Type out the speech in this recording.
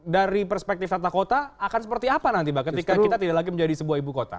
dari perspektif tata kota akan seperti apa nanti bang ketika kita tidak lagi menjadi sebuah ibu kota